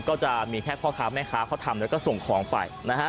ก็จะมีแค่พ่อค้าแม่ค้าเขาทำแล้วก็ส่งของไปนะฮะ